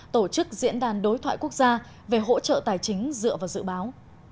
tổ chức diễn đàn đối thoại quốc gia về hỗ trợ tài chính dựa vào dự báo